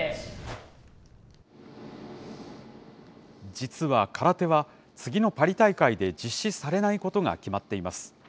実は、空手は次のパリ大会で実施されないことが決まっています。